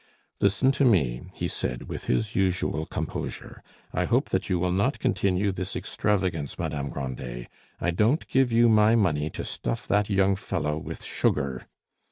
"Listen to me," he said, with his usual composure. "I hope that you will not continue this extravagance, Madame Grandet. I don't give you MY money to stuff that young fellow with sugar."